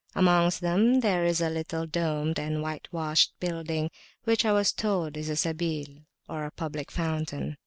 Amongst them there is a little domed and whitewashed building, which I was told is a Sabil or public fountain.